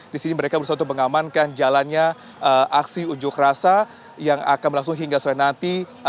di sini mereka berusaha untuk mengamankan jalannya aksi unjuk rasa yang akan berlangsung hingga sore nanti